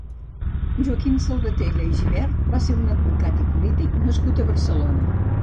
Joaquim Salvatella i Gibert va ser un advocat i polític nascut a Barcelona.